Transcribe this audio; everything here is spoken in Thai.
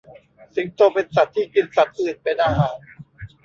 สิงโตเป็นสัตว์ที่กินสัตว์อื่นเป็นอาหาร